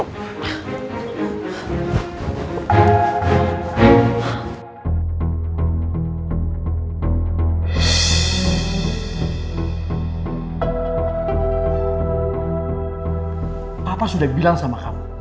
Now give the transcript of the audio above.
papa sudah bilang sama kamu